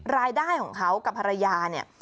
รายได้ของเขากับภรรยาเนี่ย